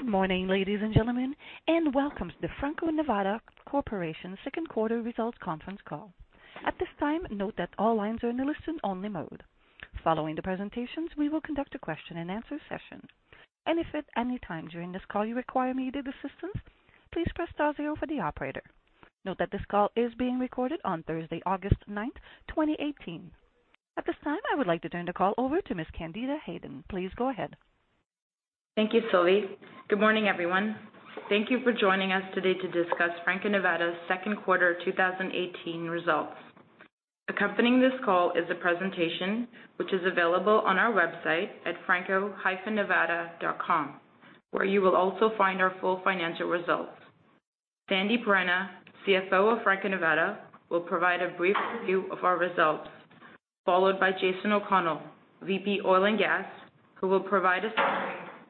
Good morning, ladies and gentlemen, and welcome to the Franco-Nevada Corporation second quarter results conference call. At this time, note that all lines are in a listen-only mode. Following the presentations, we will conduct a question and answer session. If at any time during this call you require immediate assistance, please press star zero for the operator. Note that this call is being recorded on Thursday, August 9th, 2018. At this time, I would like to turn the call over to Ms. Candida Hayden. Please go ahead. Thank you, Sylvie. Good morning, everyone. Thank you for joining us today to discuss Franco-Nevada's second quarter 2018 results. Accompanying this call is a presentation which is available on our website at franco-nevada.com, where you will also find our full financial results. Sandip Rana, CFO of Franco-Nevada, will provide a brief review of our results, followed by Jason O'Connell, VP Oil & Gas, who will provide a summary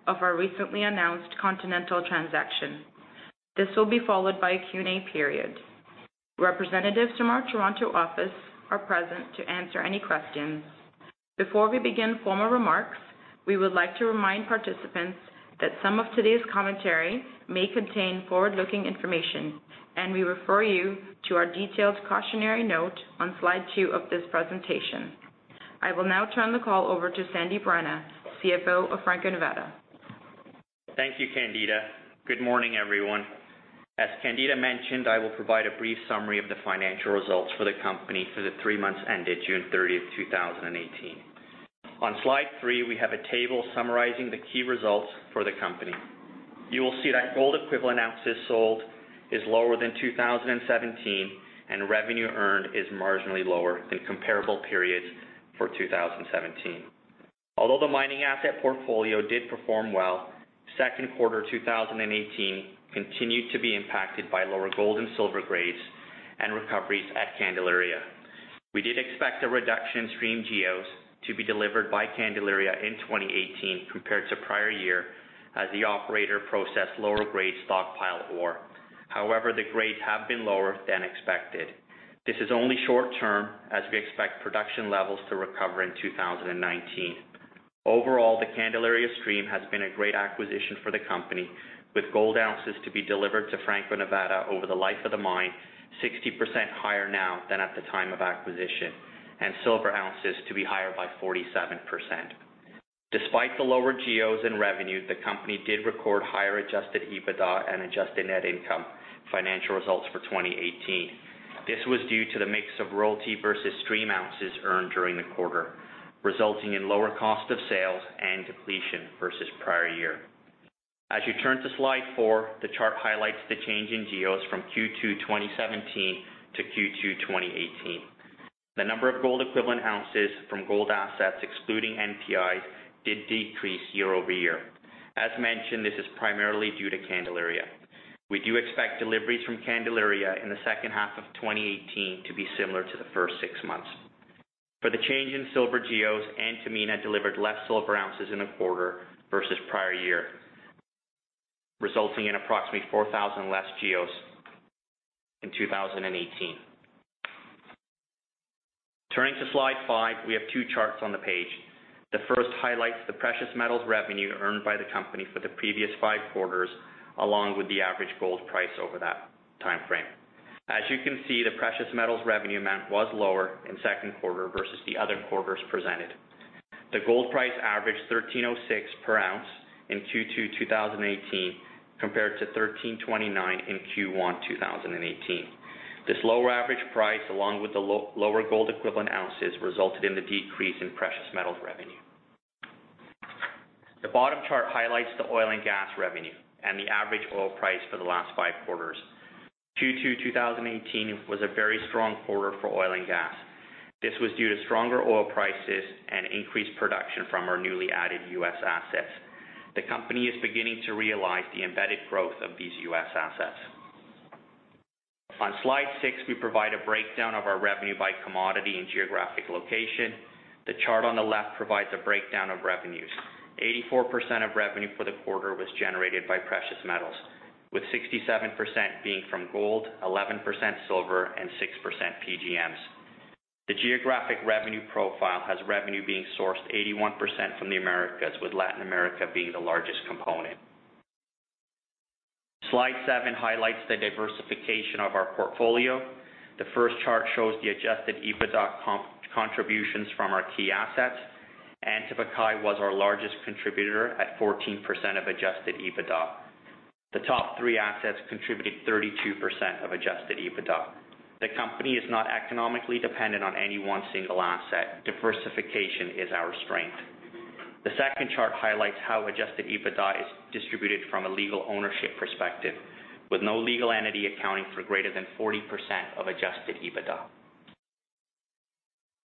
of our recently announced Continental transaction. This will be followed by a Q&A period. Representatives from our Toronto office are present to answer any questions. Before we begin formal remarks, we would like to remind participants that some of today's commentary may contain forward-looking information, and we refer you to our detailed cautionary note on slide two of this presentation. I will now turn the call over to Sandip Rana, CFO of Franco-Nevada. Thank you, Candida. Good morning, everyone. As Candida mentioned, I will provide a brief summary of the financial results for the company for the three months ended June 30th, 2018. On slide three, we have a table summarizing the key results for the company. You will see that gold equivalent ounces sold is lower than 2017, and revenue earned is marginally lower than comparable periods for 2017. Although the mining asset portfolio did perform well, second quarter 2018 continued to be impacted by lower gold and silver grades and recoveries at Candelaria. We did expect a reduction stream geos to be delivered by Candelaria in 2018 compared to prior year as the operator processed lower grade stockpile ore. However, the grades have been lower than expected. This is only short-term, as we expect production levels to recover in 2019. Overall, the Candelaria stream has been a great acquisition for the company, with gold ounces to be delivered to Franco-Nevada over the life of the mine 60% higher now than at the time of acquisition, and silver ounces to be higher by 47%. Despite the lower geos and revenue, the company did record higher adjusted EBITDA and adjusted net income financial results for 2018. This was due to the mix of royalty versus stream ounces earned during the quarter, resulting in lower cost of sales and depletion versus prior year. As you turn to slide four, the chart highlights the change in geos from Q2 2017 to Q2 2018. The number of gold equivalent ounces from gold assets excluding NPI did decrease year-over-year. As mentioned, this is primarily due to Candelaria. We do expect deliveries from Candelaria in the second half of 2018 to be similar to the first six months. For the change in silver geos, Antamina delivered less silver ounces in a quarter versus prior year, resulting in approximately 4,000 less geos in 2018. Turning to slide five, we have two charts on the page. The first highlights the precious metals revenue earned by the company for the previous five quarters, along with the average gold price over that timeframe. As you can see, the precious metals revenue amount was lower in second quarter versus the other quarters presented. The gold price averaged $1,306 per ounce in Q2 2018, compared to $1,329 in Q1 2018. This lower average price, along with the lower gold equivalent ounces, resulted in the decrease in precious metals revenue. The bottom chart highlights the oil and gas revenue and the average oil price for the last five quarters. Q2 2018 was a very strong quarter for oil and gas. This was due to stronger oil prices and increased production from our newly added U.S. assets. The company is beginning to realize the embedded growth of these U.S. assets. On slide six, we provide a breakdown of our revenue by commodity and geographic location. The chart on the left provides a breakdown of revenues. 84% of revenue for the quarter was generated by precious metals, with 67% being from gold, 11% silver, and 6% PGMs. The geographic revenue profile has revenue being sourced 81% from the Americas, with Latin America being the largest component. Slide seven highlights the diversification of our portfolio. The first chart shows the adjusted EBITDA contributions from our key assets. Antofagasta was our largest contributor at 14% of adjusted EBITDA. The top three assets contributed 32% of adjusted EBITDA. The company is not economically dependent on any one single asset. Diversification is our strength. The second chart highlights how adjusted EBITDA is distributed from a legal ownership perspective, with no legal entity accounting for greater than 40% of adjusted EBITDA.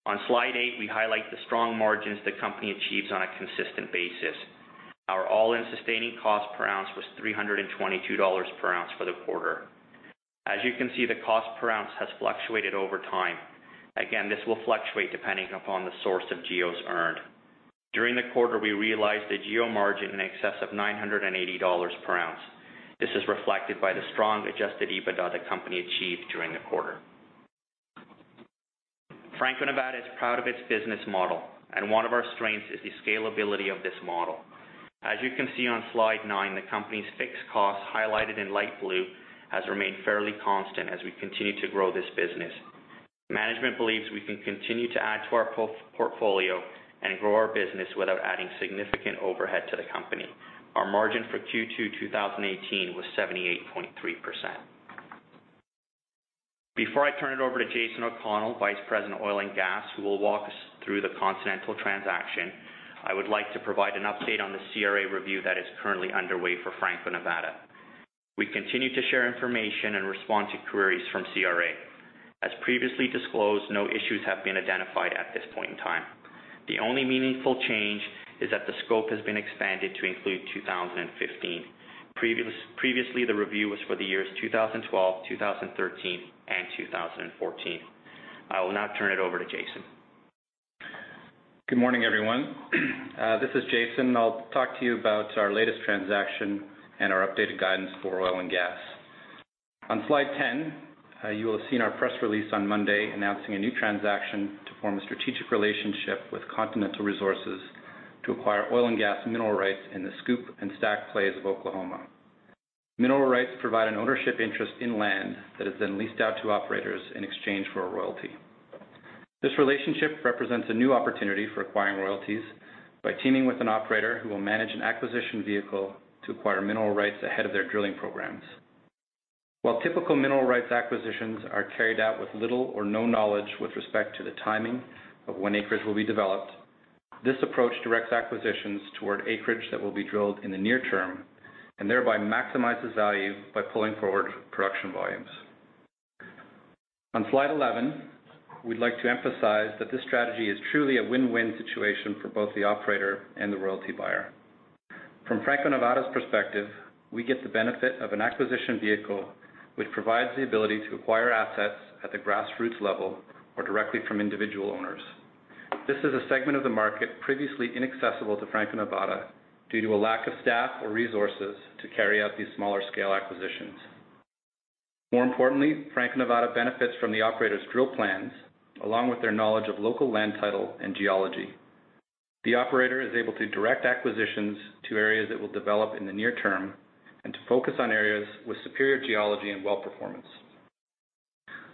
On slide eight, we highlight the strong margins the company achieves on a consistent basis. Our all-in sustaining cost per ounce was $322 per ounce for the quarter. As you can see, the cost per ounce has fluctuated over time. Again, this will fluctuate depending upon the source of geos earned. During the quarter, we realized a geo margin in excess of $980 per adjusted EBITDA the company achieved during the quarter. Franco-Nevada is proud of its business model, and one of our strengths is the scalability of this model. As you can see on slide nine, the company's fixed costs, highlighted in light blue, has remained fairly constant as we continue to grow this business. Management believes we can continue to add to our portfolio and grow our business without adding significant overhead to the company. Our margin for Q2 2018 was 78.3%. Before I turn it over to Jason O'Connell, Vice President, Oil and Gas, who will walk us through the Continental transaction, I would like to provide an update on the CRA review that is currently underway for Franco-Nevada. We continue to share information and respond to queries from CRA. As previously disclosed, no issues have been identified at this point in time. The only meaningful change is that the scope has been expanded to include 2015. Previously, the review was for the years 2012, 2013, and 2014. I will now turn it over to Jason. Good morning, everyone. This is Jason. I'll talk to you about our latest transaction and our updated guidance for oil and gas. On slide 10, you will have seen our press release on Monday announcing a new transaction to form a strategic relationship with Continental Resources to acquire oil and gas mineral rights in the SCOOP and STACK plays of Oklahoma. Mineral rights provide an ownership interest in land that is then leased out to operators in exchange for a royalty. This relationship represents a new opportunity for acquiring royalties by teaming with an operator who will manage an acquisition vehicle to acquire mineral rights ahead of their drilling programs. While typical mineral rights acquisitions are carried out with little or no knowledge with respect to the timing of when acreage will be developed, this approach directs acquisitions toward acreage that will be drilled in the near term, and thereby maximizes value by pulling forward production volumes. On slide 11, we'd like to emphasize that this strategy is truly a win-win situation for both the operator and the royalty buyer. From Franco-Nevada's perspective, we get the benefit of an acquisition vehicle which provides the ability to acquire assets at the grassroots level or directly from individual owners. This is a segment of the market previously inaccessible to Franco-Nevada due to a lack of staff or resources to carry out these smaller-scale acquisitions. More importantly, Franco-Nevada benefits from the operator's drill plans, along with their knowledge of local land title and geology. The operator is able to direct acquisitions to areas it will develop in the near term and to focus on areas with superior geology and well performance.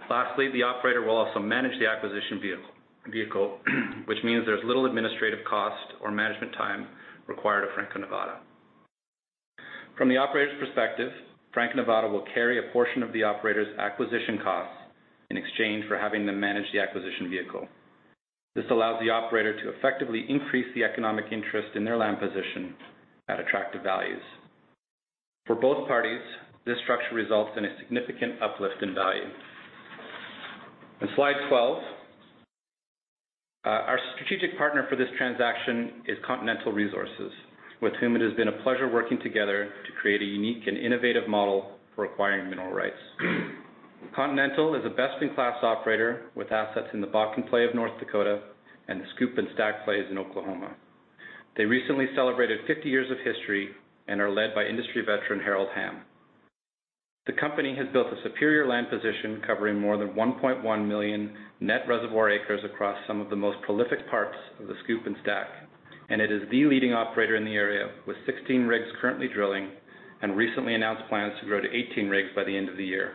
Lastly, the operator will also manage the acquisition vehicle, which means there's little administrative cost or management time required of Franco-Nevada. From the operator's perspective, Franco-Nevada will carry a portion of the operator's acquisition costs in exchange for having them manage the acquisition vehicle. This allows the operator to effectively increase the economic interest in their land position at attractive values. For both parties, this structure results in a significant uplift in value. On slide 12, our strategic partner for this transaction is Continental Resources, with whom it has been a pleasure working together to create a unique and innovative model for acquiring mineral rights. Continental is a best-in-class operator with assets in the Bakken play of North Dakota and the SCOOP and STACK plays in Oklahoma. They recently celebrated 50 years of history and are led by industry veteran Harold Hamm. The company has built a superior land position covering more than 1.1 million net reservoir acres across some of the most prolific parts of the SCOOP and STACK, and it is the leading operator in the area with 16 rigs currently drilling and recently announced plans to grow to 18 rigs by the end of the year.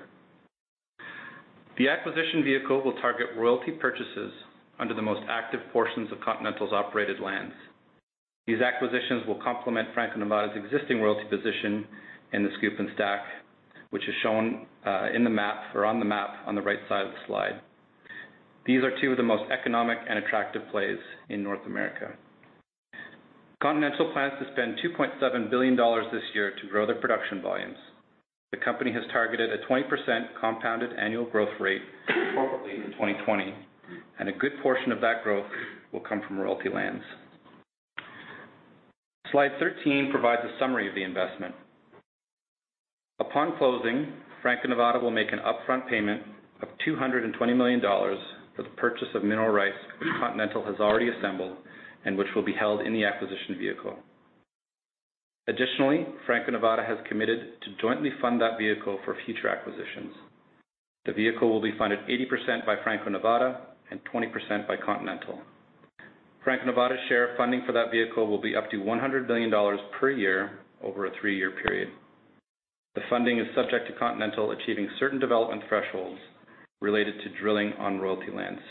The acquisition vehicle will target royalty purchases under the most active portions of Continental's operated lands. These acquisitions will complement Franco-Nevada's existing royalty position in the SCOOP and STACK, which is shown on the map on the right side of the slide. These are two of the most economic and attractive plays in North America. Continental plans to spend $2.7 billion this year to grow their production volumes. The company has targeted a 20% compounded annual growth rate quarterly to 2020, and a good portion of that growth will come from royalty lands. Slide 13 provides a summary of the investment. Upon closing, Franco-Nevada will make an upfront payment of $220 million for the purchase of mineral rights, which Continental has already assembled and which will be held in the acquisition vehicle. Additionally, Franco-Nevada has committed to jointly fund that vehicle for future acquisitions. The vehicle will be funded 80% by Franco-Nevada and 20% by Continental. Franco-Nevada’s share of funding for that vehicle will be up to $100 million per year over a three-year period. The funding is subject to Continental achieving certain development thresholds related to drilling on royalty lands.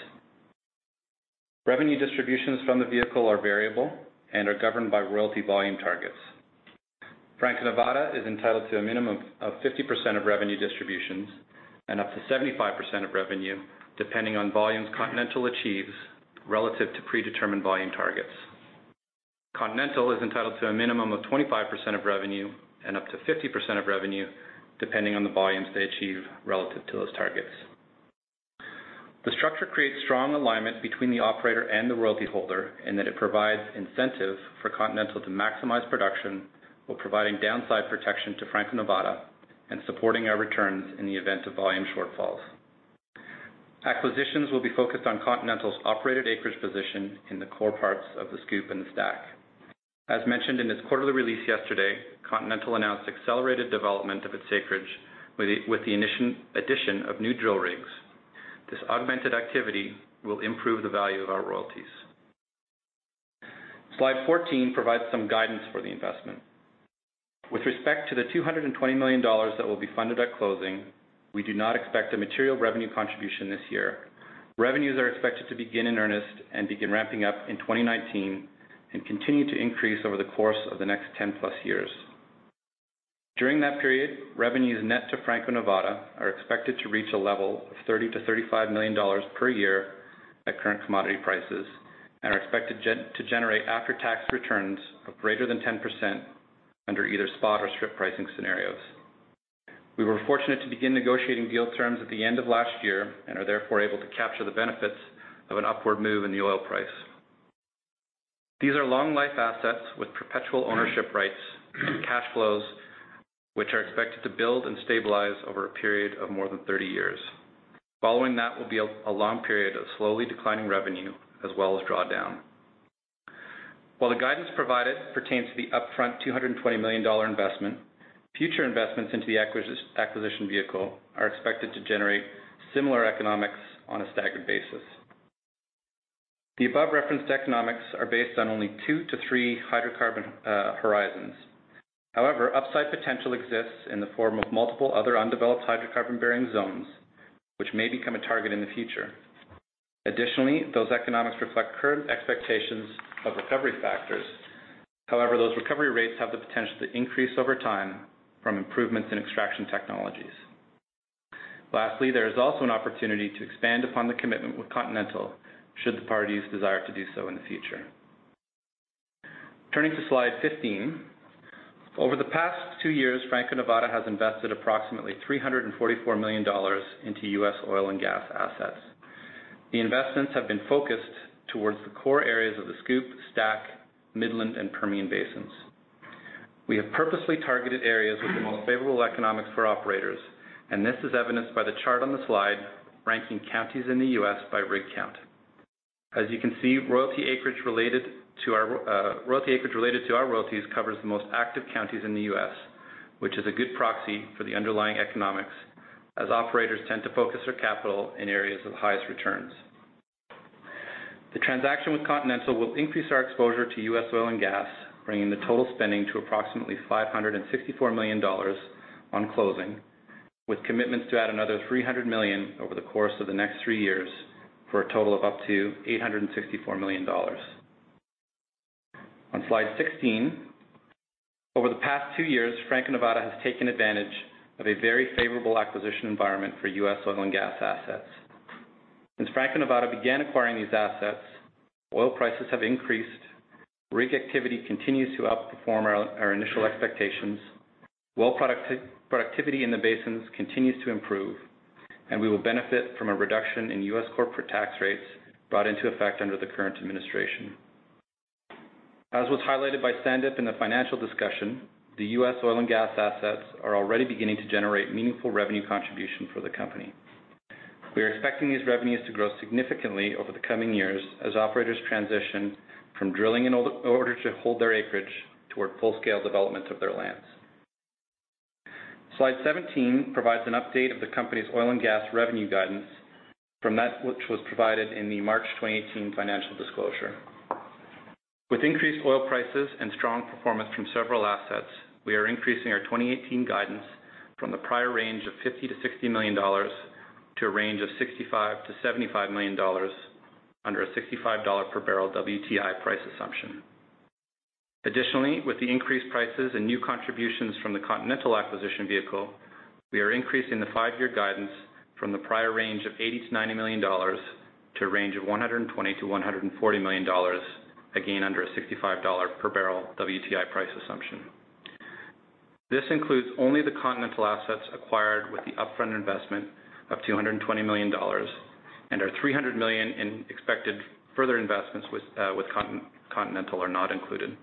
Revenue distributions from the vehicle are variable and are governed by royalty volume targets. Franco-Nevada is entitled to a minimum of 50% of revenue distributions and up to 75% of revenue, depending on volumes Continental achieves relative to predetermined volume targets. Continental is entitled to a minimum of 25% of revenue and up to 50% of revenue, depending on the volumes they achieve relative to those targets. The structure creates strong alignment between the operator and the royalty holder in that it provides incentive for Continental to maximize production while providing downside protection to Franco-Nevada and supporting our returns in the event of volume shortfalls. Acquisitions will be focused on Continental’s operated acreage position in the core parts of the SCOOP and the STACK. As mentioned in its quarterly release yesterday, Continental announced accelerated development of its acreage with the addition of new drill rigs. This augmented activity will improve the value of our royalties. Slide 14 provides some guidance for the investment. With respect to the $220 million that will be funded at closing, we do not expect a material revenue contribution this year. Revenues are expected to begin in earnest and begin ramping up in 2019 and continue to increase over the course of the next 10-plus years. During that period, revenues net to Franco-Nevada are expected to reach a level of $30 million-$35 million per year at current commodity prices, and are expected to generate after-tax returns of greater than 10% under either spot or strip pricing scenarios. We were fortunate to begin negotiating deal terms at the end of last year and are therefore able to capture the benefits of an upward move in the oil price. These are long life assets with perpetual ownership rights and cash flows, which are expected to build and stabilize over a period of more than 30 years. Following that will be a long period of slowly declining revenue as well as drawdown. While the guidance provided pertains to the upfront $220 million investment, future investments into the acquisition vehicle are expected to generate similar economics on a staggered basis. The above referenced economics are based on only two to three hydrocarbon horizons. However, upside potential exists in the form of multiple other undeveloped hydrocarbon-bearing zones, which may become a target in the future. Additionally, those economics reflect current expectations of recovery factors. However, those recovery rates have the potential to increase over time from improvements in extraction technologies. Lastly, there is also an opportunity to expand upon the commitment with Continental should the parties desire to do so in the future. Turning to Slide 15. Over the past two years, Franco-Nevada has invested approximately $344 million into U.S. oil and gas assets. The investments have been focused towards the core areas of the SCOOP, STACK, Midland, and Permian Basins. We have purposely targeted areas with the most favorable economics for operators, this is evidenced by the chart on the slide ranking counties in the U.S. by rig count. As you can see, royalty acreage related to our royalties covers the most active counties in the U.S., which is a good proxy for the underlying economics, as operators tend to focus their capital in areas of highest returns. The transaction with Continental will increase our exposure to U.S. oil and gas, bringing the total spending to approximately $564 million on closing, with commitments to add another $300 million over the course of the next three years, for a total of up to $864 million. On slide 16, over the past two years, Franco-Nevada has taken advantage of a very favorable acquisition environment for U.S. oil and gas assets. Since Franco-Nevada began acquiring these assets, oil prices have increased, rig activity continues to outperform our initial expectations, well productivity in the basins continues to improve, and we will benefit from a reduction in U.S. corporate tax rates brought into effect under the current administration. As was highlighted by Sandip in the financial discussion, the U.S. oil and gas assets are already beginning to generate meaningful revenue contribution for the company. We are expecting these revenues to grow significantly over the coming years as operators transition from drilling in order to hold their acreage toward full-scale developments of their lands. Slide 17 provides an update of the company's oil and gas revenue guidance from that which was provided in the March 2018 financial disclosure. With increased oil prices and strong performance from several assets, we are increasing our 2018 guidance from the prior range of $50 million-$60 million to a range of $65 million-$75 million under a $65 per barrel WTI price assumption. Additionally, with the increased prices and new contributions from the Continental acquisition vehicle, we are increasing the five-year guidance from the prior range of $80 million-$90 million to a range of $120 million-$140 million, again, under a $65 per barrel WTI price assumption. This includes only the Continental assets acquired with the upfront investment of $220 million, and our $300 million in expected further investments with Continental are not included.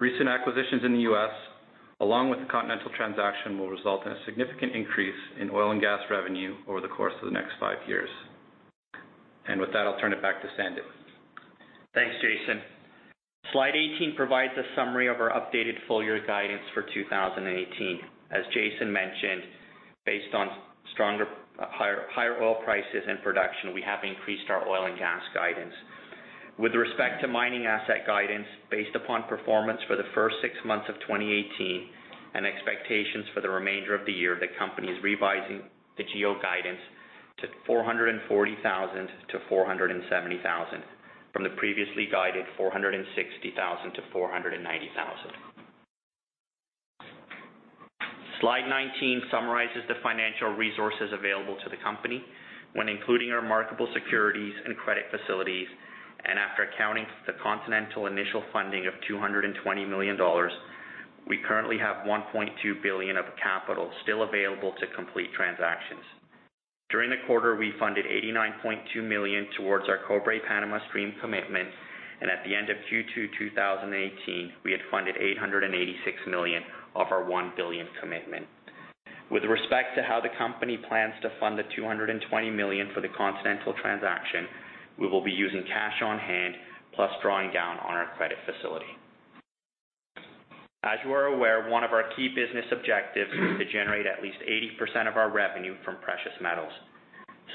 Recent acquisitions in the U.S., along with the Continental transaction, will result in a significant increase in oil and gas revenue over the course of the next five years. With that, I'll turn it back to Sandip. Thanks, Jason. Slide 18 provides a summary of our updated full year guidance for 2018. As Jason mentioned, based on higher oil prices and production, we have increased our oil and gas guidance. With respect to mining asset guidance, based upon performance for the first six months of 2018 and expectations for the remainder of the year, the company is revising the GEOs guidance to $440,000-$470,000 from the previously guided $460,000-$490,000. Slide 19 summarizes the financial resources available to the company when including our marketable securities and credit facilities and after accounting for the Continental initial funding of $220 million, we currently have $1.2 billion of capital still available to complete transactions. During the quarter, we funded $89.2 million towards our Cobre Panama stream commitment At the end of Q2 2018, we had funded $886 million of our $1 billion commitment. With respect to how the company plans to fund the $220 million for the Continental transaction, we will be using cash on hand, plus drawing down on our credit facility. As you are aware, one of our key business objectives is to generate at least 80% of our revenue from precious metals.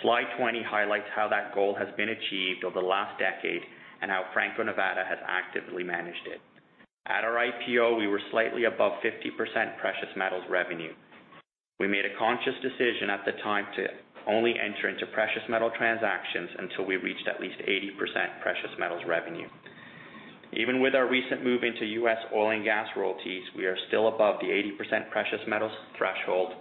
Slide 20 highlights how that goal has been achieved over the last decade, and how Franco-Nevada has actively managed it. At our IPO, we were slightly above 50% precious metals revenue. We made a conscious decision at the time to only enter into precious metal transactions until we reached at least 80% precious metals revenue. Even with our recent move into U.S. oil and gas royalties, we are still above the 80% precious metals threshold,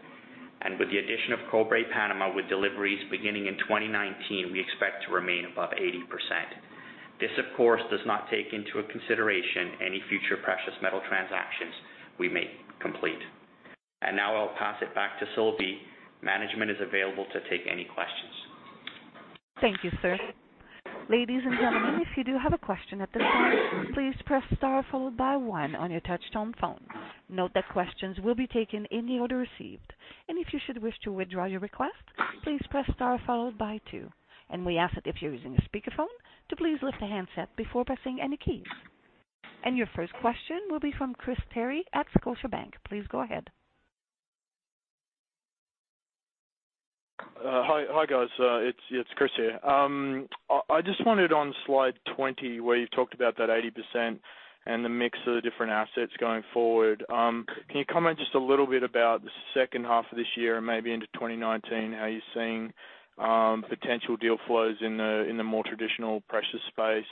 with the addition of Cobre Panama, with deliveries beginning in 2019, we expect to remain above 80%. This, of course, does not take into consideration any future precious metal transactions we may complete. Now I'll pass it back to Sylvie. Management is available to take any questions. Thank you, sir. Ladies and gentlemen, if you do have a question at this time, please press star followed by one on your touch-tone phone. Note that questions will be taken in the order received. If you should wish to withdraw your request, please press star followed by two. We ask that if you're using a speakerphone to please lift the handset before pressing any keys. Your first question will be from Chris Terry at Scotiabank. Please go ahead. Hi, guys. It's Chris here. I just wondered on slide 20 where you've talked about that 80% and the mix of the different assets going forward. Can you comment just a little bit about the second half of this year and maybe into 2019, how you're seeing potential deal flows in the more traditional precious space?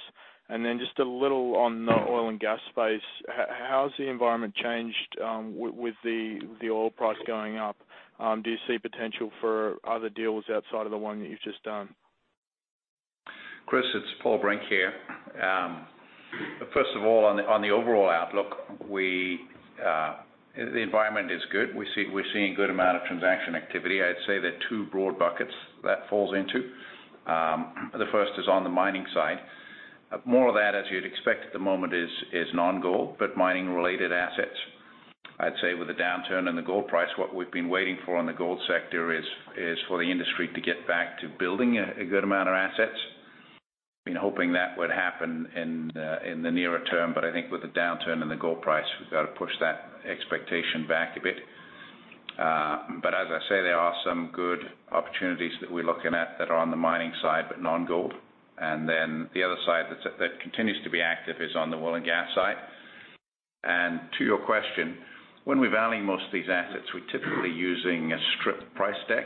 Just a little on the oil and gas space. How has the environment changed with the oil price going up? Do you see potential for other deals outside of the one that you've just done? Chris, it's Paul Brink here. First of all, on the overall outlook, the environment is good. We're seeing a good amount of transaction activity. I'd say there are two broad buckets that falls into. The first is on the mining side. More of that, as you'd expect at the moment, is non-gold, but mining related assets. I'd say with the downturn in the gold price, what we've been waiting for in the gold sector is for the industry to get back to building a good amount of assets, been hoping that would happen in the nearer term. I think with the downturn in the gold price, we've got to push that expectation back a bit. As I say, there are some good opportunities that we're looking at that are on the mining side, but non-gold. The other side that continues to be active is on the oil and gas side. To your question, when we value most of these assets, we're typically using a strip price deck,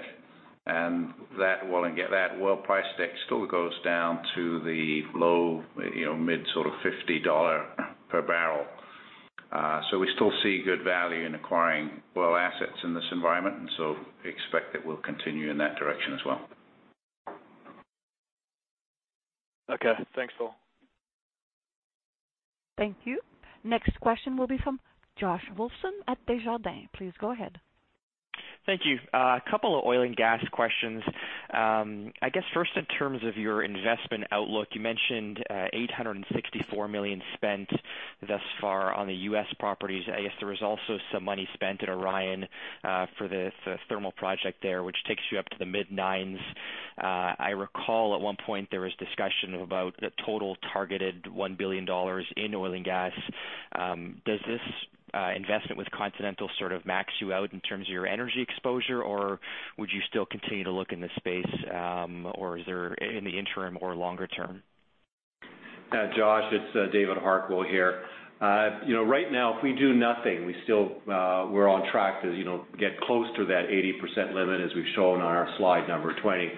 and that oil price deck still goes down to the low mid sort of $50 per barrel. We still see good value in acquiring oil assets in this environment, we expect that we'll continue in that direction as well. Okay. Thanks, Paul. Thank you. Next question will be from Josh Wolfson at Desjardins. Please go ahead. Thank you. A couple of oil and gas questions. I guess first in terms of your investment outlook, you mentioned $864 million spent thus far on the U.S. properties. I guess there was also some money spent at Orion, for the thermal project there, which takes you up to the mid nines. I recall at one point there was discussion about the total targeted $1 billion in oil and gas. Does this investment with Continental sort of max you out in terms of your energy exposure, or would you still continue to look in the space, in the interim or longer term? Josh, it's David Harquail here. Right now if we do nothing, we're on track to get close to that 80% limit, as we've shown on our slide number 20.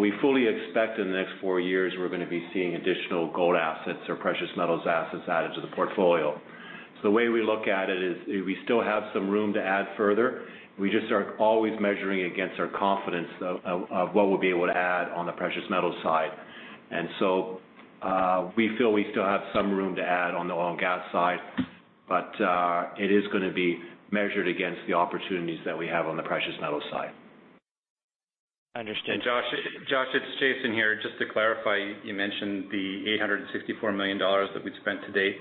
We fully expect in the next four years, we're going to be seeing additional gold assets or precious metals assets added to the portfolio. The way we look at it is we still have some room to add further. We just are always measuring against our confidence of what we'll be able to add on the precious metal side. We feel we still have some room to add on the oil and gas side, but it is going to be measured against the opportunities that we have on the precious metal side. I understand. Josh, it's Jason here. Just to clarify, you mentioned the $864 million that we'd spent to date.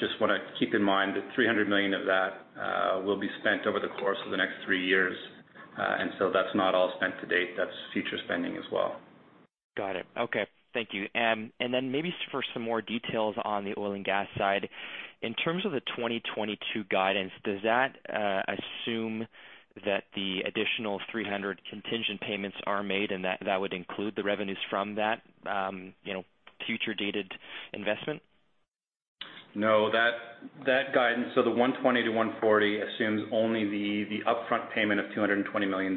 Just want to keep in mind that $300 million of that will be spent over the course of the next three years. That's not all spent to date, that's future spending as well. Got it. Okay. Thank you. Then maybe for some more details on the oil and gas side. In terms of the 2022 guidance, does that assume that the additional $300 contingent payments are made and that would include the revenues from that future-dated investment? No. The $120-$140 assumes only the upfront payment of $220 million.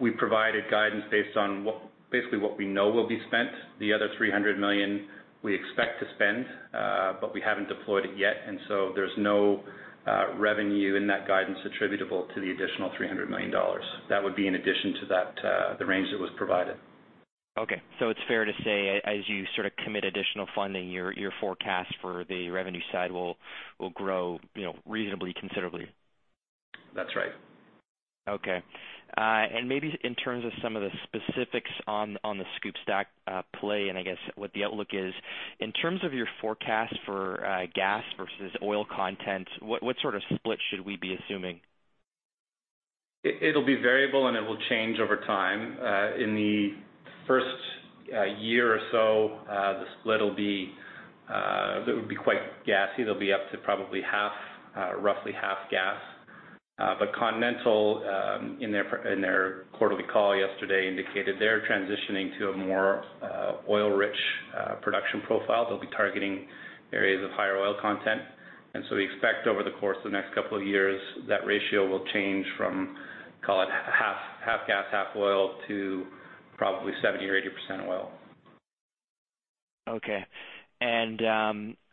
We provided guidance based on basically what we know will be spent. The other $300 million we expect to spend, but we haven't deployed it yet, there's no revenue in that guidance attributable to the additional $300 million. That would be in addition to the range that was provided. Okay. It's fair to say as you sort of commit additional funding, your forecast for the revenue side will grow reasonably considerably? That's right. Okay. Maybe in terms of some of the specifics on the SCOOP/STACK play, and I guess what the outlook is. In terms of your forecast for gas versus oil content, what sort of split should we be assuming? It'll be variable, it will change over time. In the first year or so, the split would be quite gassy. They'll be up to probably roughly half gas. Continental, in their quarterly call yesterday, indicated they're transitioning to a more oil-rich production profile. They'll be targeting areas of higher oil content. We expect over the course of the next couple of years, that ratio will change from, call it half gas, half oil, to probably 70% or 80% oil. Okay.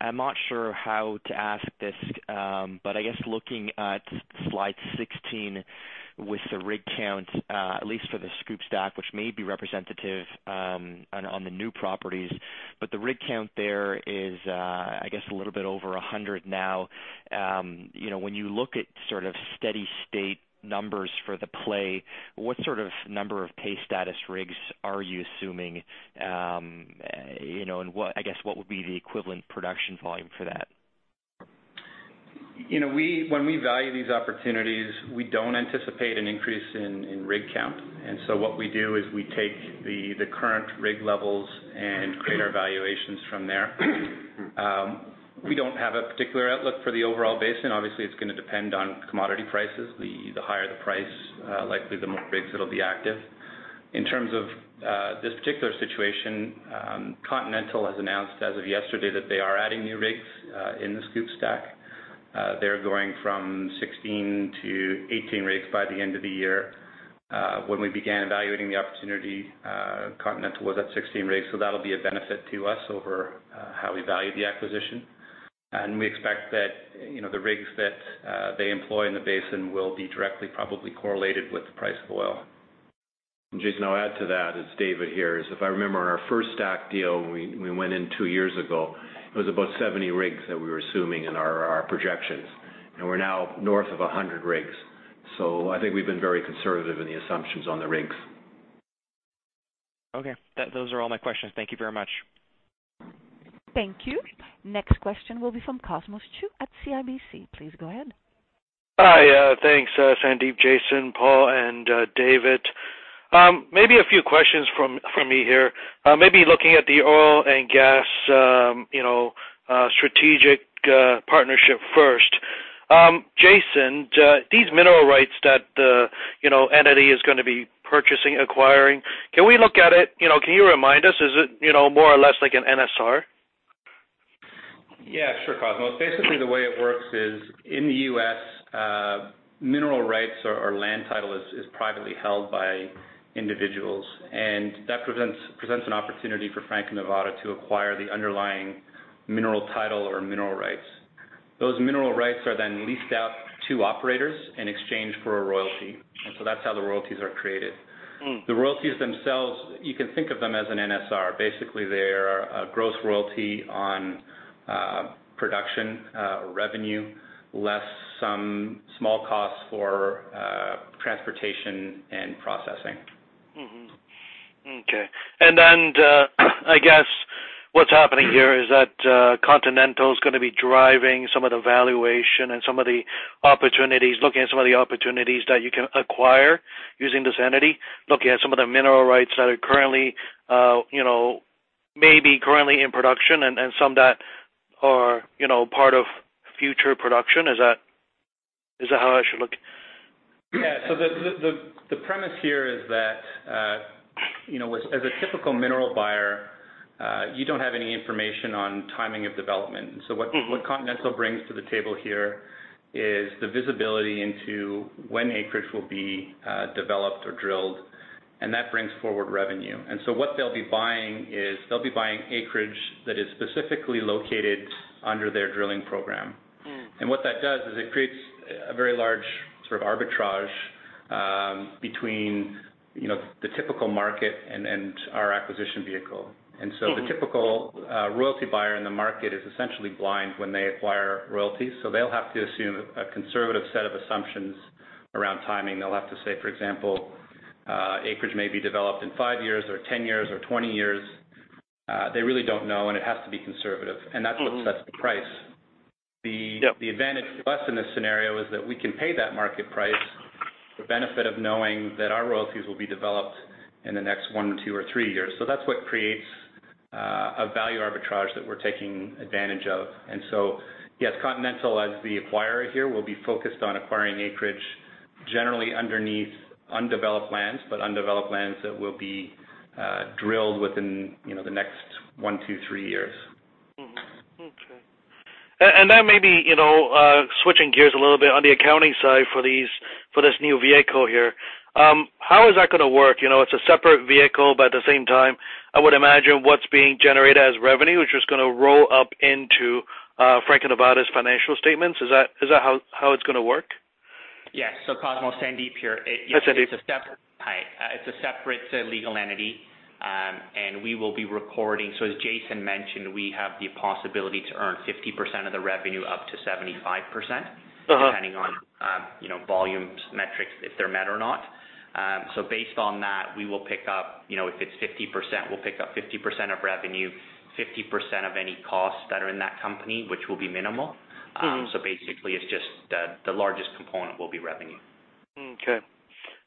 I'm not sure how to ask this, I guess looking at slide 16 with the rig count, at least for the SCOOP/STACK, which may be representative on the new properties. The rig count there is, I guess, a little bit over 100 now. When you look at sort of steady state numbers for the play, what sort of number of pay status rigs are you assuming, and what would be the equivalent production volume for that? When we value these opportunities, we don't anticipate an increase in rig count. What we do is we take the current rig levels and create our valuations from there. We don't have a particular outlook for the overall basin. Obviously, it's going to depend on commodity prices. The higher the price, likely the more rigs that'll be active. In terms of this particular situation, Continental has announced as of yesterday that they are adding new rigs in the SCOOP/STACK. They're going from 16 to 18 rigs by the end of the year. When we began evaluating the opportunity, Continental was at 16 rigs, so that'll be a benefit to us over how we value the acquisition. We expect that the rigs that they employ in the basin will be directly probably correlated with the price of oil. Jason, I'll add to that, it's David here. If I remember our first STACK deal when we went in two years ago, it was about 70 rigs that we were assuming in our projections, and we're now north of 100 rigs. I think we've been very conservative in the assumptions on the rigs. Okay. Those are all my questions. Thank you very much. Thank you. Next question will be from Cosmos Chiu at CIBC. Please go ahead. Hi, thanks Sandip, Jason, Paul, and David. Maybe a few questions from me here. Maybe looking at the oil and gas strategic partnership first. Jason, these mineral rights that entity is going to be purchasing, acquiring, Can you remind us, is it more or less like an NSR? Yeah, sure, Cosmos. Basically, the way it works is, in the U.S., mineral rights or land title is privately held by individuals. That presents an opportunity for Franco-Nevada to acquire the underlying mineral title or mineral rights. Those mineral rights are then leased out to operators in exchange for a royalty. That's how the royalties are created. The royalties themselves, you can think of them as an NSR. Basically, they are a gross royalty on production revenue, less some small cost for transportation and processing. Okay. Then, I guess what's happening here is that Continental's going to be driving some of the valuation and some of the opportunities, looking at some of the opportunities that you can acquire using this entity, looking at some of the mineral rights that are maybe currently in production and some that are part of future production. Is that how I should look? Yeah. The premise here is that, as a typical mineral buyer, you don't have any information on timing of development. What Continental brings to the table here is the visibility into when acreage will be developed or drilled, and that brings forward revenue. What they'll be buying is, they'll be buying acreage that is specifically located under their drilling program. What that does is it creates a very large sort of arbitrage between the typical market and our acquisition vehicle. The typical royalty buyer in the market is essentially blind when they acquire royalties. They'll have to assume a conservative set of assumptions around timing. They'll have to say, for example, acreage may be developed in five years or 10 years or 20 years. They really don't know, and it has to be conservative, and that's what sets the price. Yep. The advantage to us in this scenario is that we can pay that market price for benefit of knowing that our royalties will be developed in the next one, two, or three years. That's what creates a value arbitrage that we're taking advantage of. Yes, Continental, as the acquirer here, will be focused on acquiring acreage generally underneath undeveloped lands, but undeveloped lands that will be drilled within the next one to three years. Mm-hmm. Okay. Maybe, switching gears a little bit on the accounting side for this new vehicle here. How is that going to work? It's a separate vehicle, but at the same time, I would imagine what's being generated as revenue, which is going to roll up into Franco-Nevada's financial statements. Is that how it's going to work? Yes. Cosmos, Sandip here. Hi, Sandip. It's a separate legal entity. As Jason mentioned, we have the possibility to earn 50% of the revenue, up to 75%- depending on volume metrics, if they're met or not. Based on that, we will pick up, if it's 50%, we'll pick up 50% of revenue, 50% of any costs that are in that company, which will be minimal. Basically, it's just the largest component will be revenue.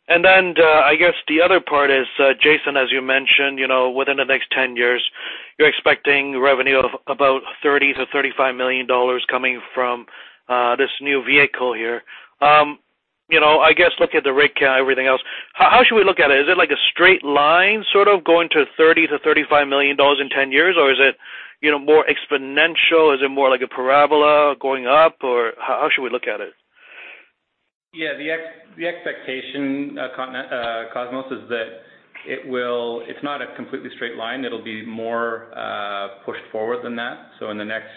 I guess the other part is, Jason O'Connell, as you mentioned, within the next 10 years, you're expecting revenue of about $30 million-$35 million coming from this new vehicle here. I guess, looking at the rig count, everything else, how should we look at it? Is it like a straight line sort of going to $30 million-$35 million in 10 years? Or is it more exponential? Is it more like a parabola going up? Or how should we look at it? The expectation, Cosmos Chiu, is that it's not a completely straight line. It'll be more pushed forward than that. In the next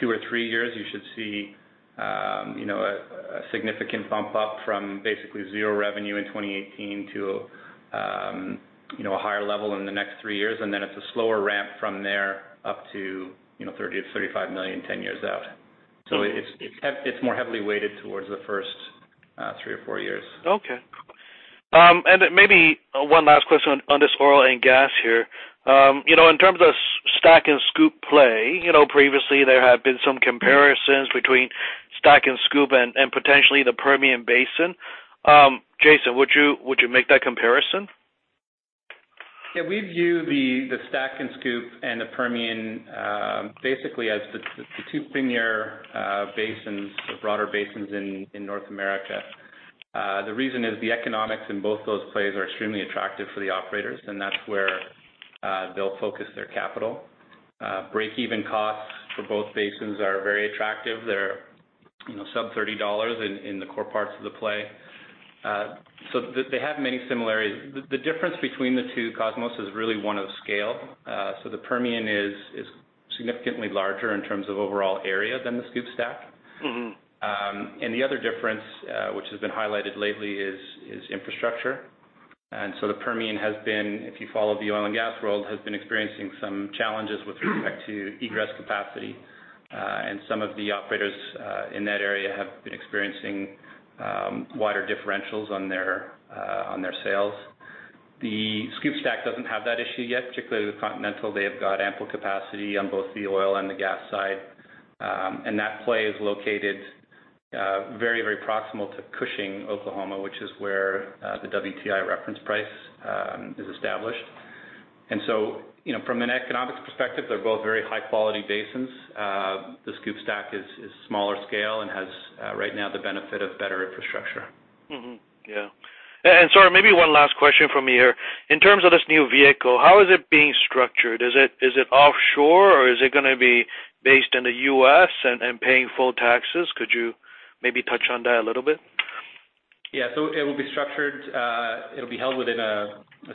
two or three years, you should see a significant bump up from basically zero revenue in 2018 to a higher level in the next three years. It's a slower ramp from there up to $30 million-$35 million 10 years out. It's more heavily weighted towards the first three or four years. Maybe one last question on this oil and gas here. In terms of Stack and Scoop play, previously there have been some comparisons between Stack and Scoop and potentially the Permian Basin. Jason O'Connell, would you make that comparison? Yeah. We view the Stack and Scoop and the Permian basically as the two premier basins or broader basins in North America. The reason is the economics in both those plays are extremely attractive for the operators, and that is where they will focus their capital. Breakeven costs for both basins are very attractive. They are sub $30 in the core parts of the play. They have many similarities. The difference between the two, Cosmos, is really one of scale. The Permian is significantly larger in terms of overall area than the Scoop, Stack. The other difference, which has been highlighted lately, is infrastructure. The Permian has been, if you follow the oil and gas world, has been experiencing some challenges with respect to egress capacity. Some of the operators in that area have been experiencing wider differentials on their sales. The Scoop, Stack does not have that issue yet, particularly with Continental. They have got ample capacity on both the oil and the gas side. That play is located very proximal to Cushing, Oklahoma, which is where the WTI reference price is established. From an economics perspective, they are both very high-quality basins. The Scoop, Stack is smaller scale and has, right now, the benefit of better infrastructure. Yeah. Sorry, maybe one last question from me here. In terms of this new vehicle, how is it being structured? Is it offshore, or is it going to be based in the U.S. and paying full taxes? Could you maybe touch on that a little bit? Yeah. It will be held within a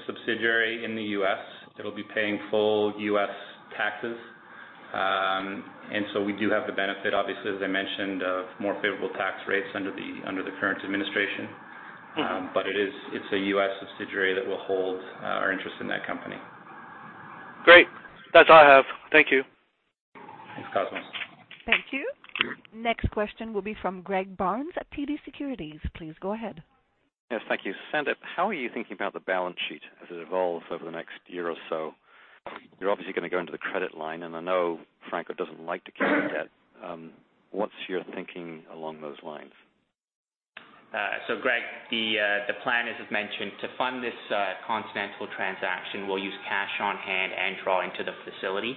subsidiary in the U.S. It will be paying full U.S. taxes. We do have the benefit, obviously, as I mentioned, of more favorable tax rates under the current administration. It's a U.S. subsidiary that will hold our interest in that company. Great. That's all I have. Thank you. Thanks, Cosmos. Thank you. Thank you. Next question will be from Greg Barnes at TD Securities. Please go ahead. Yes, thank you. Sandip, how are you thinking about the balance sheet as it evolves over the next year or so? You're obviously going to go into the credit line, and I know Franco doesn't like to carry debt. What's your thinking along those lines? Greg, the plan, as I've mentioned, to fund this Continental transaction, we'll use cash on hand and draw into the facility.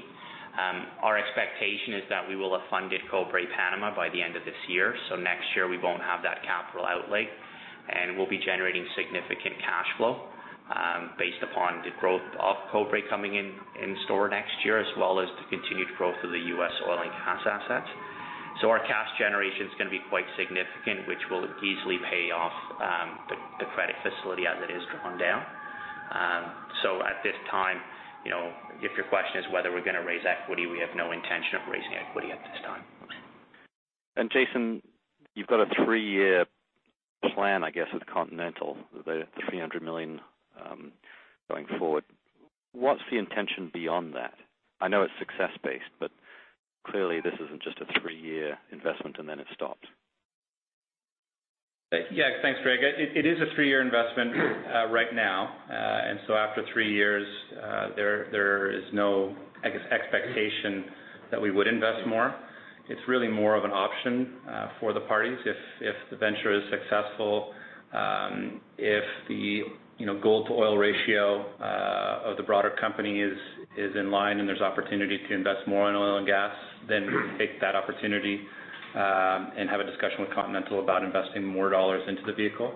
Our expectation is that we will have funded Cobre Panama by the end of this year. Next year, we won't have that capital outlay, and we'll be generating significant cash flow based upon the growth of Cobre coming in store next year, as well as the continued growth of the U.S. oil and gas assets. Our cash generation's going to be quite significant, which will easily pay off the credit facility as it is drawn down. At this time, if your question is whether we're going to raise equity, we have no intention of raising equity at this time. Jason, you've got a three-year plan, I guess, with Continental, the $300 million going forward. What's the intention beyond that? I know it's success-based, clearly this isn't just a three-year investment and then it stops. Yeah. Thanks, Greg. It is a three-year investment right now. After three years, there is no expectation that we would invest more. It's really more of an option for the parties. If the venture is successful, if the gold-to-oil ratio of the broader company is in line and there's opportunity to invest more in oil and gas, then we take that opportunity and have a discussion with Continental about investing more dollars into the vehicle.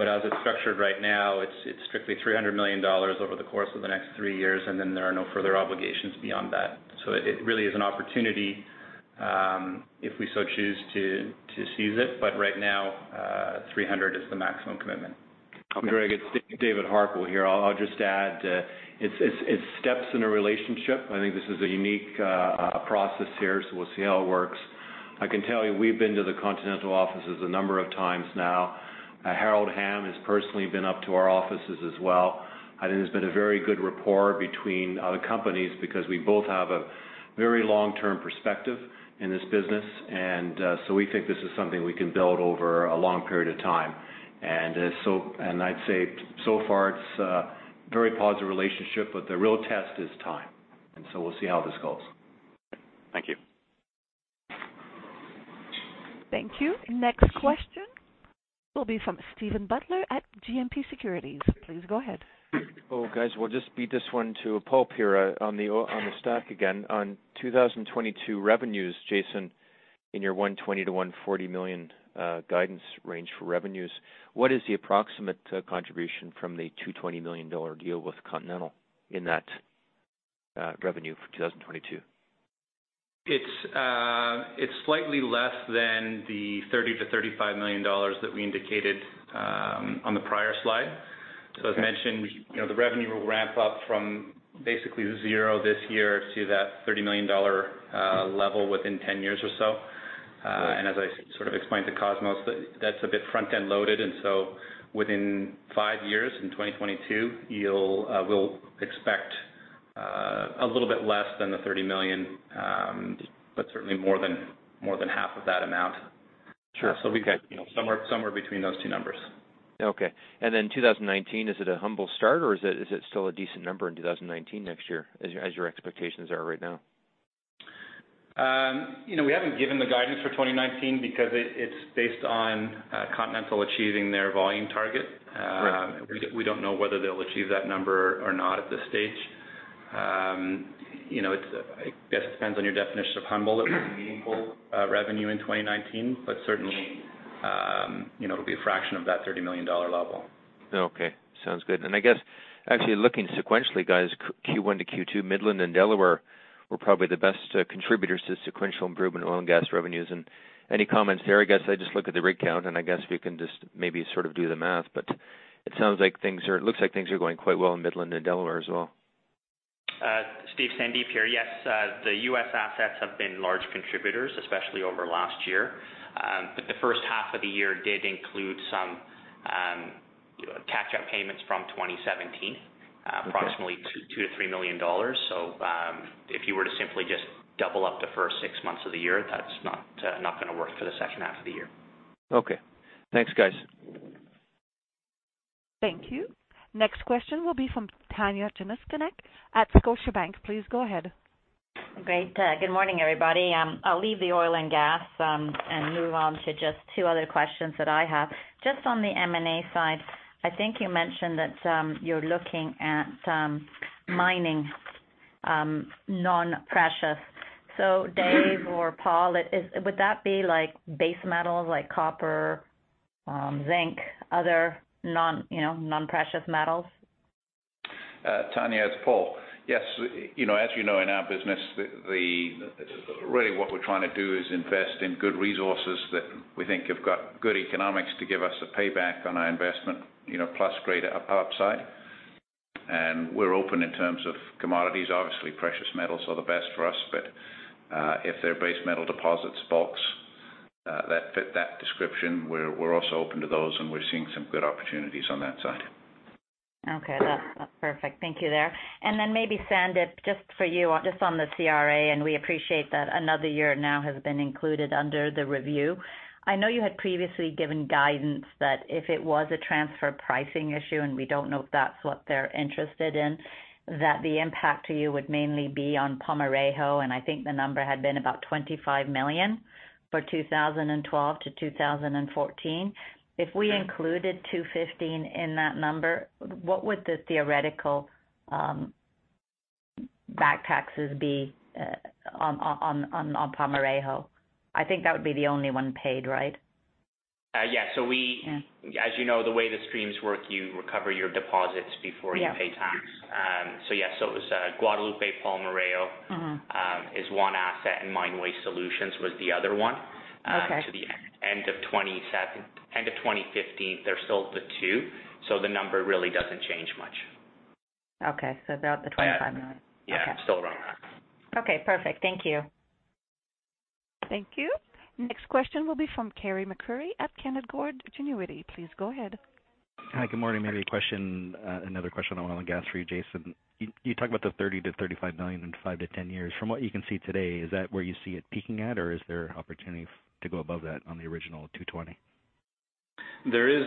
As it's structured right now, it's strictly $300 million over the course of the next three years, then there are no further obligations beyond that. It really is an opportunity, if we so choose to seize it. Right now, 300 is the maximum commitment. Greg, it's David Harquail here. I'll just add, it's steps in a relationship. I think this is a unique process here, we'll see how it works. I can tell you we've been to the Continental offices a number of times now. Harold Hamm has personally been up to our offices as well. I think there's been a very good rapport between our companies because we both have a very long-term perspective in this business, we think this is something we can build over a long period of time. I'd say so far it's a very positive relationship, the real test is time, we'll see how this goes. Thank you. Thank you. Next question will be from Steven Butler at GMP Securities. Please go ahead. Guys, we'll just beat this one to a pulp here on the stock again. On 2022 revenues, Jason, in your $120 million-$140 million guidance range for revenues, what is the approximate contribution from the $220 million deal with Continental in that revenue for 2022? It's slightly less than the $30 million-$35 million that we indicated on the prior slide. Okay. As mentioned, the revenue will ramp up from basically zero this year to that $30 million level within 10 years or so. Right. As I explained to Cosmos, that's a bit front-end loaded, within five years, in 2022, we'll expect a little bit less than the $30 million, but certainly more than half of that amount. Sure. Okay. We get somewhere between those two numbers. Okay. Then 2019, is it a humble start, or is it still a decent number in 2019 next year, as your expectations are right now? We haven't given the guidance for 2019 because it's based on Continental achieving their volume target. Right. We don't know whether they'll achieve that number or not at this stage. I guess it depends on your definition of humble. Certainly, it'll be a fraction of that $30 million level. Okay. Sounds good. I guess actually looking sequentially, guys, Q1 to Q2, Midland and Delaware were probably the best contributors to the sequential improvement in oil and gas revenues. Any comments there? I guess I just look at the rig count, and I guess we can just maybe sort of do the math, but it looks like things are going quite well in Midland and Delaware as well. Steve, Sandip here. Yes. The U.S. assets have been large contributors, especially over last year. The first half of the year did include some catch-up payments from 2017. Okay. Approximately $2 million-$3 million. If you were to simply just double up the first six months of the year, that's not going to work for the second half of the year. Okay. Thanks, guys. Thank you. Next question will be from Tanya Jakusconek at Scotiabank. Please go ahead. Great. Good morning, everybody. I'll leave the oil and gas and move on to just two other questions that I have. Just on the M&A side, I think you mentioned that you're looking at some mining non-precious. Dave or Paul, would that be base metals like copper, zinc, other non-precious metals? Tanya, it's Paul. Yes. As you know, in our business, really what we're trying to do is invest in good resources that we think have got good economics to give us a payback on our investment, plus greater upside. We're open in terms of commodities. Obviously, precious metals are the best for us, but, if they're base metal deposits bulks, that fit that description, we're also open to those, and we're seeing some good opportunities on that side. Okay. That's perfect. Thank you there. Then maybe Sandip, just for you, on the CRA, We appreciate that another year now has been included under the review. I know you had previously given guidance that if it was a transfer pricing issue, and we don't know if that's what they're interested in, that the impact to you would mainly be on Palmarejo, and I think the number had been about $25 million for 2012 to 2014. If we included 2015 in that number, what would the theoretical back taxes be on Palmarejo? I think that would be the only one paid, right? Yeah. As you know, the way the streams work, you recover your deposits before you pay tax. Yeah. Yes, it was Guadalupe-Palmarejo- is one asset, Mine Waste Solutions was the other one. Okay. To the end of 2015, they're still the two, so the number really doesn't change much. Okay. About the $25 million? Yeah. Okay. Still around that. Okay, perfect. Thank you. Thank you. Next question will be from Carey MacRury at Canaccord Genuity. Please go ahead. Hi, good morning. Maybe another question on oil and gas for you, Jason. You talk about the $30 million-$35 million in 5 to 10 years. From what you can see today, is that where you see it peaking at, or is there opportunity to go above that on the original $220? There is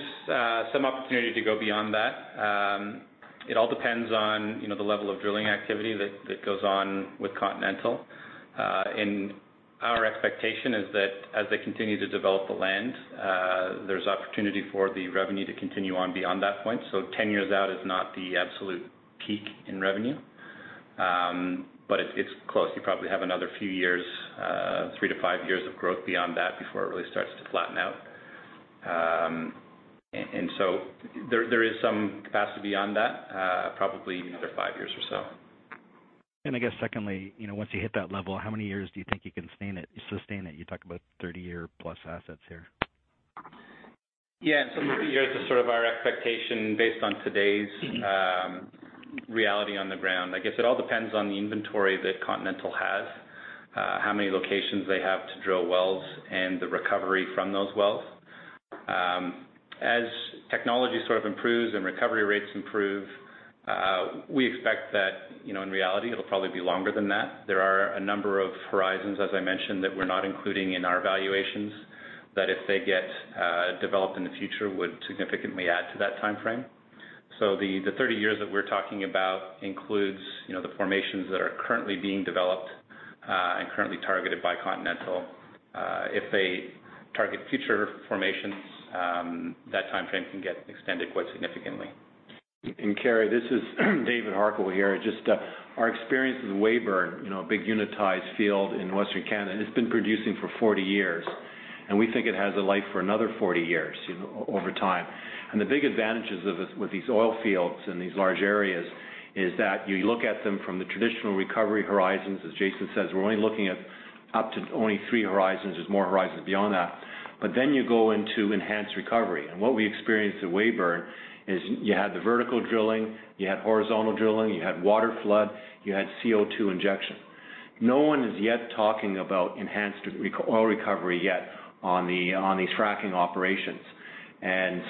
some opportunity to go beyond that. It all depends on the level of drilling activity that goes on with Continental. Our expectation is that as they continue to develop the land, there is opportunity for the revenue to continue on beyond that point. 10 years out is not the absolute peak in revenue, but it is close. You probably have another few years, three to five years of growth beyond that before it really starts to flatten out. There is some capacity beyond that, probably another five years or so. I guess secondly, once you hit that level, how many years do you think you can sustain it? You talk about 30-year plus assets here. Maybe here's our expectation based on today's reality on the ground. I guess it all depends on the inventory that Continental has, how many locations they have to drill wells, and the recovery from those wells. As technology improves and recovery rates improve, we expect that in reality, it'll probably be longer than that. There are a number of horizons, as I mentioned, that we're not including in our valuations, that if they get developed in the future, would significantly add to that timeframe. The 30 years that we're talking about includes the formations that are currently being developed and currently targeted by Continental. If they target future formations, that timeframe can get extended quite significantly. Carey, this is David Harquail here. Just our experience with Weyburn, a big unitized field in Western Canada, and it's been producing for 40 years. We think it has a life for another 40 years over time. The big advantages with these oil fields in these large areas is that you look at them from the traditional recovery horizons. As Jason says, we're only looking at up to only three horizons. There's more horizons beyond that. You go into enhanced recovery, and what we experienced at Weyburn is you had the vertical drilling, you had horizontal drilling, you had water flood, you had CO2 injection. No one is yet talking about enhanced oil recovery yet on these fracking operations.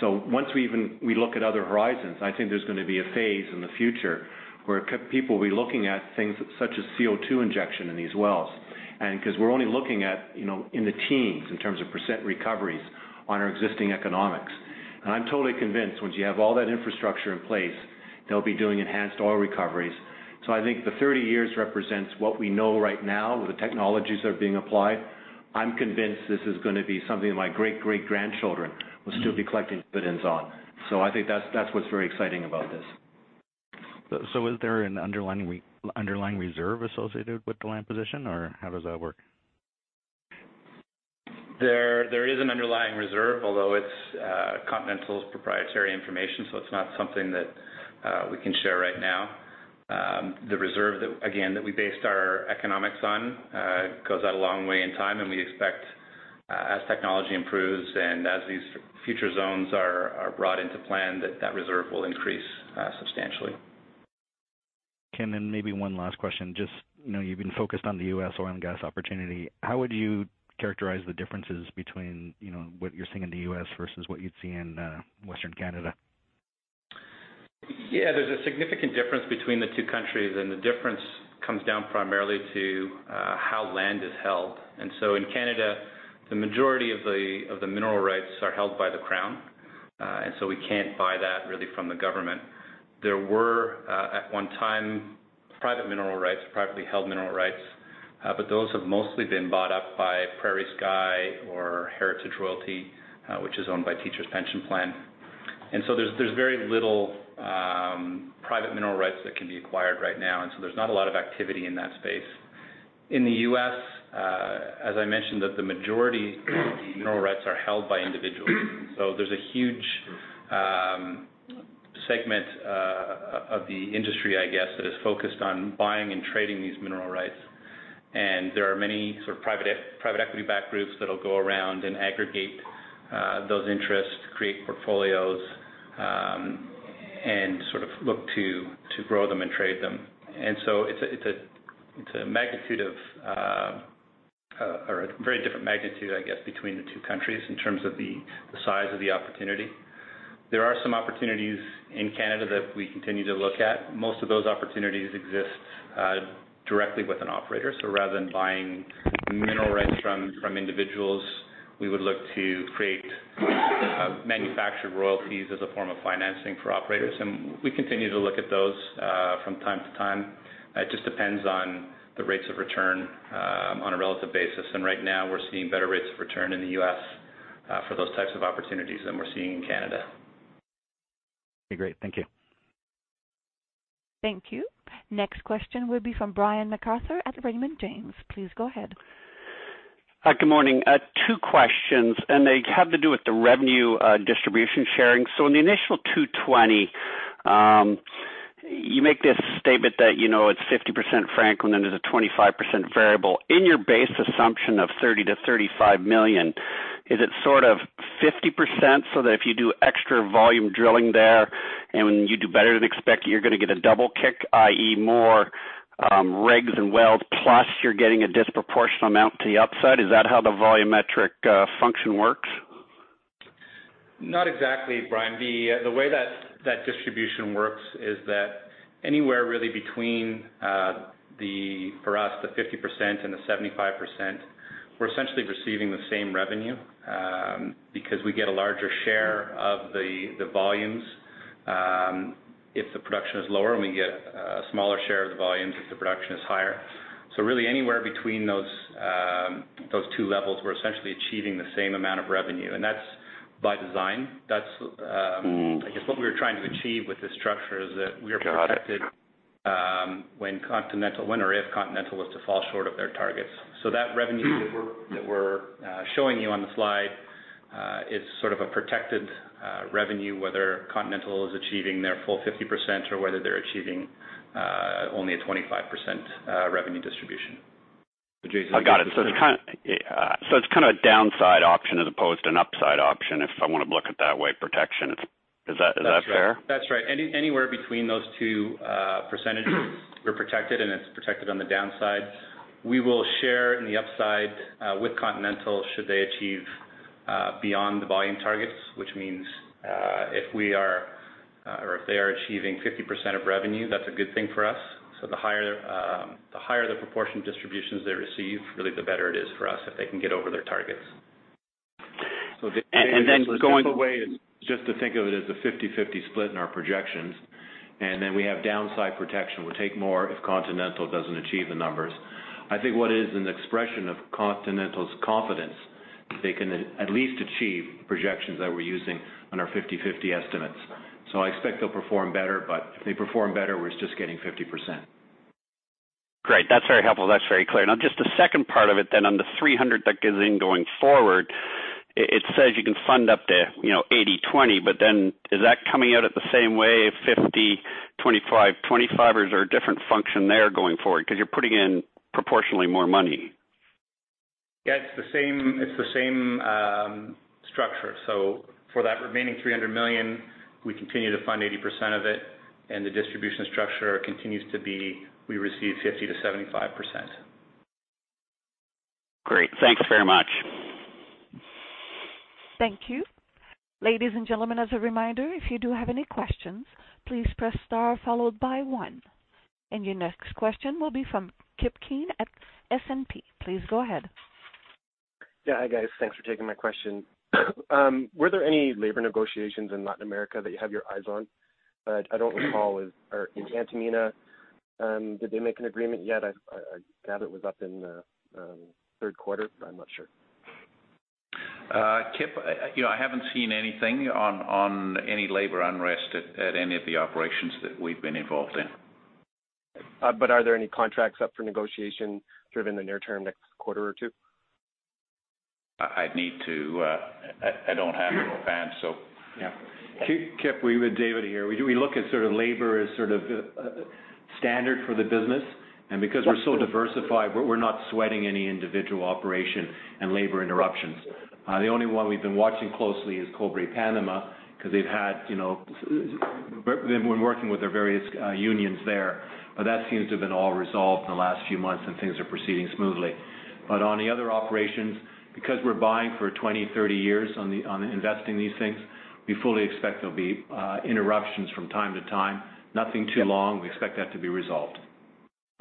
Once we look at other horizons, I think there's going to be a phase in the future where people will be looking at things such as CO2 injection in these wells. Because we're only looking at in the teens, in terms of % recoveries on our existing economics. I'm totally convinced once you have all that infrastructure in place, they'll be doing enhanced oil recoveries. I think the 30 years represents what we know right now with the technologies that are being applied. I'm convinced this is going to be something my great-great-grandchildren will still be collecting dividends on. I think that's what's very exciting about this. Is there an underlying reserve associated with the land position, or how does that work? There is an underlying reserve, although it's Continental's proprietary information, it's not something that we can share right now. The reserve, again, that we based our economics on goes out a long way in time, and we expect as technology improves and as these future zones are brought into plan, that that reserve will increase substantially. Then maybe one last question. Just, you've been focused on the U.S. oil and gas opportunity. How would you characterize the differences between what you're seeing in the U.S. versus what you'd see in Western Canada? There's a significant difference between the two countries, and the difference comes down primarily to how land is held. In Canada, the majority of the mineral rights are held by the Crown. We can't buy that really from the government. There were, at one time, private mineral rights, privately held mineral rights. Those have mostly been bought up by PrairieSky or Heritage Royalty, which is owned by Teachers' Pension Plan. There's very little private mineral rights that can be acquired right now, and there's not a lot of activity in that space. In the U.S., as I mentioned, that the majority of mineral rights are held by individuals. There's a huge segment of the industry, I guess, that is focused on buying and trading these mineral rights. There are many private equity-backed groups that'll go around and aggregate those interests, create portfolios, and look to grow them and trade them. It's a very different magnitude, I guess, between the two countries in terms of the size of the opportunity. There are some opportunities in Canada that we continue to look at. Most of those opportunities exist directly with an operator. So rather than buying mineral rights from individuals, we would look to create manufactured royalties as a form of financing for operators, and we continue to look at those from time to time. It just depends on the rates of return on a relative basis. Right now, we're seeing better rates of return in the U.S. for those types of opportunities than we're seeing in Canada. Okay, great. Thank you. Thank you. Next question will be from Brian MacArthur at Raymond James. Please go ahead. Hi. Good morning. Two questions, and they have to do with the revenue distribution sharing. In the initial 220, you make this statement that it's 50% Franco-Nevada, then there's a 25% variable. In your base assumption of $30 million-$35 million, is it 50%, so that if you do extra volume drilling there and when you do better than expected, you're going to get a double kick, i.e., more rigs and wells, plus you're getting a disproportionate amount to the upside? Is that how the volumetric function works? Not exactly, Brian. The way that distribution works is that anywhere, really, between, for us, the 50% and the 75%, we're essentially receiving the same revenue because we get a larger share of the volumes if the production is lower, and we get a smaller share of the volumes if the production is higher. Really anywhere between those two levels, we're essentially achieving the same amount of revenue, and that's by design. I guess what we were trying to achieve with this structure is that we are protected when or if Continental was to fall short of their targets. That revenue that we're showing you on the slide is sort of a protected revenue, whether Continental is achieving their full 50% or whether they're achieving only a 25% revenue distribution. I got it. It's kind of a downside option as opposed to an upside option, if I want to look at it that way, protection. Is that fair? That's right. Anywhere between those two percentages, we're protected, and it's protected on the downside. We will share in the upside with Continental should they achieve beyond the volume targets, which means if they are achieving 50% of revenue, that's a good thing for us. The higher the proportion of distributions they receive, really the better it is for us if they can get over their targets. going- The simple way is just to think of it as a 50-50 split in our projections, and then we have downside protection. We'll take more if Continental doesn't achieve the numbers. I think what is an expression of Continental's confidence is they can at least achieve projections that we're using on our 50-50 estimates. I expect they'll perform better, but if they perform better, we're just getting 50%. Great. That's very helpful. That's very clear. Just the second part of it then on the $300 that gives in going forward, it says you can fund up to 80-20, but then is that coming out at the same way, 50, 25? Or is there a different function there going forward? Because you're putting in proportionally more money. Yeah, it's the same structure. For that remaining $300 million, we continue to fund 80% of it, and the distribution structure continues to be, we receive 50% to 75%. Great. Thanks very much. Thank you. Ladies and gentlemen, as a reminder, if you do have any questions, please press star followed by one. Your next question will be from Kip Keen at S&P. Please go ahead. Yeah. Hi, guys. Thanks for taking my question. Were there any labor negotiations in Latin America that you have your eyes on? I don't recall. In Antamina, did they make an agreement yet? I gather it was up in the third quarter, I'm not sure. Kip, I haven't seen anything on any labor unrest at any of the operations that we've been involved in. Are there any contracts up for negotiation sort of in the near term, next quarter or two? I don't have it offhand, so yeah. Kip, David here. We look at labor as sort of standard for the business. Because we're so diversified, we're not sweating any individual operation and labor interruptions. The only one we've been watching closely is Cobre Panama because they've been working with their various unions there. That seems to have been all resolved in the last few months, and things are proceeding smoothly. On the other operations, because we're buying for 20, 30 years on investing these things, we fully expect there'll be interruptions from time to time. Nothing too long. We expect that to be resolved.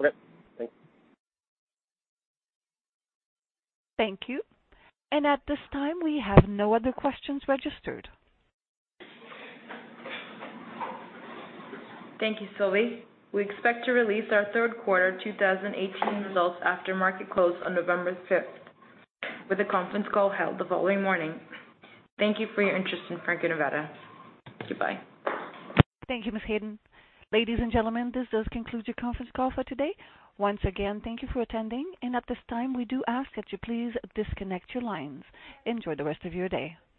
Okay, thanks. Thank you. At this time, we have no other questions registered. Thank you, Sylvie. We expect to release our third quarter 2018 results after market close on November 5th, with a conference call held the following morning. Thank you for your interest in Franco-Nevada. Goodbye. Thank you, Ms. Hayden. Ladies and gentlemen, this does conclude your conference call for today. Once again, thank you for attending, and at this time, we do ask that you please disconnect your lines. Enjoy the rest of your day.